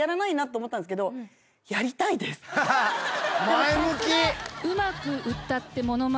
前向き！